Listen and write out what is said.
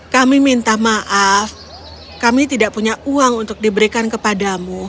kami minta maaf kami tidak punya uang untuk diberikan kepadamu